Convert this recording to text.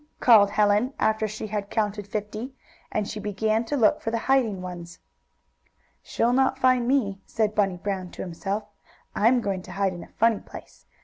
called Helen, after she had counted fifty, and she began to look for the hiding ones. "She'll not find me," said Bunny Brown to himself. "I'm going to hide in a funny place.